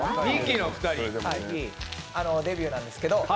ミキのデビューなんですけど。